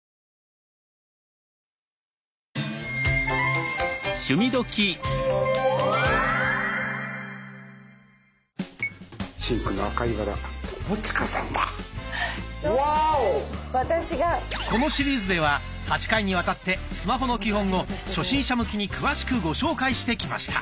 このシリーズでは８回にわたってスマホの基本を初心者向きに詳しくご紹介してきました。